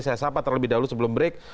saya sapa terlebih dahulu sebelum break